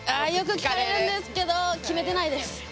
あよく聞かれるんですけど決めてないです。